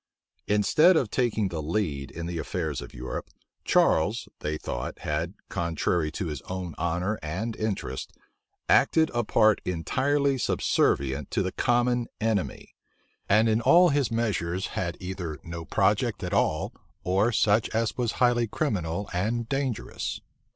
Instead of taking the lead in the affairs of Europe, Charles, they thought, had, contrary to his own honor and interest, acted a part entirely subservient to the common enemy; and in all his measures had either no project at all, or such as was highly criminal and dangerous.